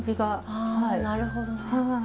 あなるほどね。はい。